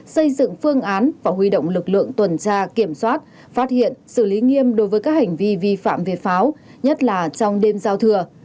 xây dựng phương án và huy động lực lượng tuần tra kiểm soát phát hiện xử lý nghiêm đối với các hành vi vi phạm về pháo nhất là trong đêm giao thừa